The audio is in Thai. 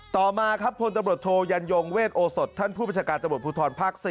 ต่อมาครับพลตำรวจโทยันยงเวทโอสดท่านผู้ประชาการตำรวจภูทรภาค๔